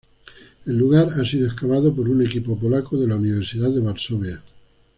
El lugar ha sido excavado por un equipo polaco de la Universidad de Varsovia.